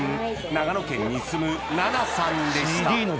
長野県に住む奈菜さんでした